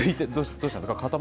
どうしたんですか？